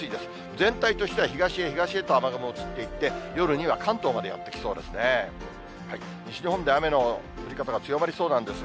全体としては東へ東へと雨雲移っていって、夜には関東までやって来そうですね。